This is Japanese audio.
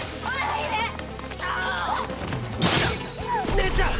姉ちゃん！